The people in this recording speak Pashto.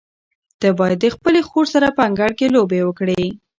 ته باید د خپلې خور سره په انګړ کې لوبې وکړې.